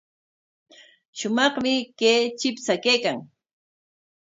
Shumaqmi kay chipsha kaykan.